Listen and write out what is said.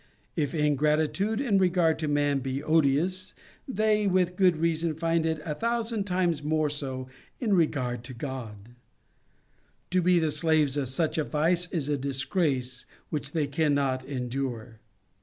If ingratitude in regard to man be odious, fn the Nineteenth Century. 261 they, with good reason, find it a thousand times more so in regard to God. To be the slaves of such a vice is a dis grace which they cannot endure.